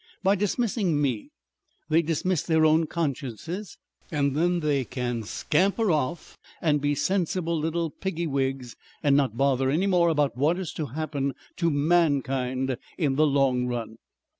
By dismissing me they dismiss their own consciences. And then they can scamper off and be sensible little piggy wigs and not bother any more about what is to happen to mankind in the long run....